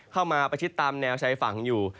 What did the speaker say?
มาประชิดตามแนวชายฝั่งอยู่